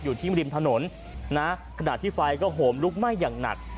อยู่ที่ริมถนนนะขณะที่ไฟก็โหมลุกไหม้อย่างหนัก